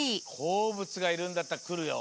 こうぶつがいるんだったらくるよ。